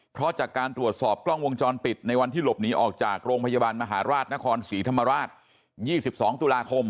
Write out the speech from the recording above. เพราะจากการตรวจสอบกล้องวงจรปิดในวันที่หลบหนีออกจากโรงพยาบาลมหาราชนครศรีธรรมราช๒๒ตุลาคม